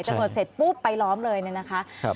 ตำรวจเสร็จปุ๊บไปล้อมเลยนะคะ